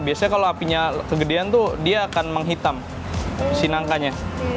biasanya kalau apinya kegedean tuh dia akan menghitam si nangkanya